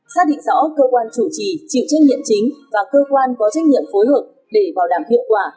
xác định rõ cơ quan chủ trì chịu trách nhiệm chính và cơ quan có trách nhiệm phối hợp để bảo đảm hiệu quả